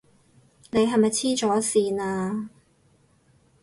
你係咪痴咗線啊？